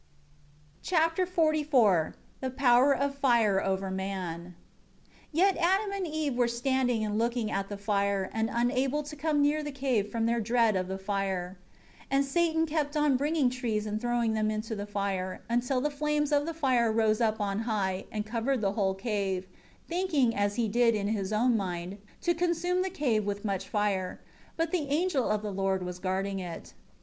Chapter XLIV The power of fire over man. 1 Yet Adam and Eve were standing and looking at the fire, and unable to come near the cave from their dread of the fire. 2 And Satan kept on bringing trees and throwing them into the fire, until the flames of the fire rose up on high, and covered the whole cave, thinking, as he did in his own mind, to consume the cave with much fire. But the angel of the Lord was guarding it.